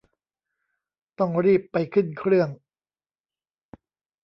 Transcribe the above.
ต้องรีบไปขึ้นเครื่อง